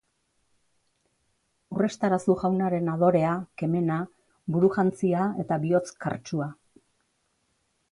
Urrestarazu jaunaren adorea, kemena, buru jantzia eta bihotz kartsua.